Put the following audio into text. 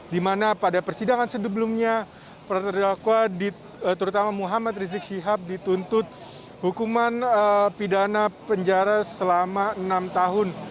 di mana pada persidangan sebelumnya para terdakwa terutama muhammad rizik syihab dituntut hukuman pidana penjara selama enam tahun